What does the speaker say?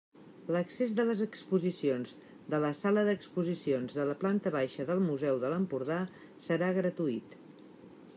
L'accés a les exposicions de la Sala d'Exposicions de la Planta Baixa del Museu de l'Empordà serà gratuït.